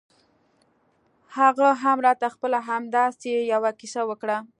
هغه هم راته خپله همداسې يوه کيسه وکړه.